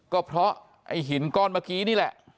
ก็เพราะไอ้หินก้อนเมื่อกี้นี่แหละ